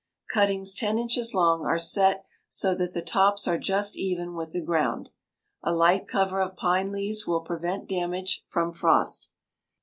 Cuttings ten inches long are set so that the tops are just even with the ground. A light cover of pine leaves will prevent damage from frost.